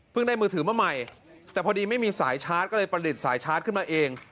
ได้มือถือมาใหม่แต่พอดีไม่มีสายชาร์จก็เลยประดิษฐ์สายชาร์จขึ้นมาเอง